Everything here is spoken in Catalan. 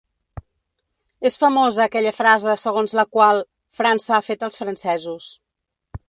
És famosa aquella frase segons la qual ‘França ha fet els francesos’.